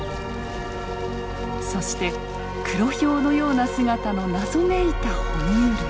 そしてクロヒョウのような姿の謎めいた哺乳類。